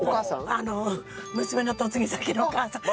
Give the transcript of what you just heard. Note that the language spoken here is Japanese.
あの娘の嫁ぎ先のお義母さん。